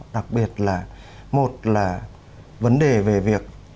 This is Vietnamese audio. đặc biệt là một là vấn đề về việc